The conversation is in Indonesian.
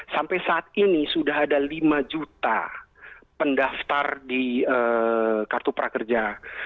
sampai saat ini sudah ada lima juta pendaftar di kartu prakerja